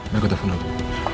baik gue telfon dulu